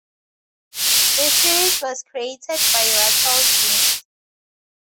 The series was created by Russell Ginns.